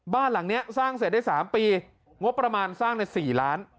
บ้านหลังนี้สร้างเสร็จได้๓ปีงบประมาณสร้างใน๔ล้าน